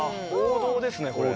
王道ですね。